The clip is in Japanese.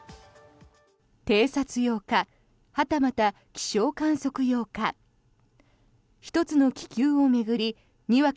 偵察用かはたまた気象観測用か。